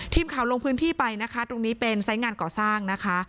ทีมข่าวลงพื้นที่ไปนะคะตรงนี้เป็นไซส์งานก่อสร้างนะคะ